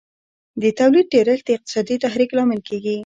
د تولید ډېرښت د اقتصادي تحرک لامل کیږي.